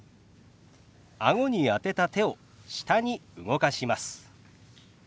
あごに当てた手を下に動かします。